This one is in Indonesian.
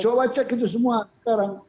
coba cek itu semua sekarang